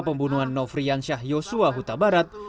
pembunuhan nofrian syah yosua huta barat